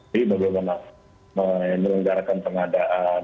jadi bagaimana menjelenggarakan pengadaan